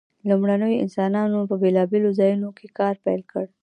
لومړنیو انسانانو په بیلابیلو ځایونو کې کار پیل کړ.